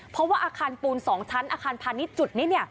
เพราะว่าอาคารปูน๒ชั้นอาคารพาณิชย์จุดนี้